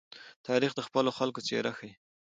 تاریخ د خپلو خلکو څېره ښيي.